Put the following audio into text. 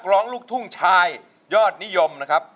ร้องลูกทุ่งชายยอดนิยมนะครับ